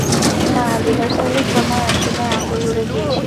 না, রিহার্সালের সময় একজনের আঙ্গুল উড়ে গিয়েছিল।